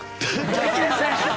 元気ですね！